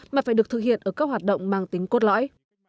mà phải được thực hiện ở các hoạt động mang tính cốt lõi